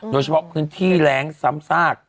โดยเฉพาะพื้นที่แรงซ้ำซาก